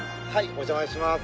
お邪魔します。